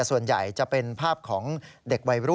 ขณะที่เฟสบุ๊คของสวนน้ำยังไม่เสร็จนะครับ